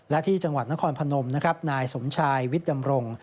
และที่จังหวัดนครพนมนายสมชายวิทย์ดำรงค์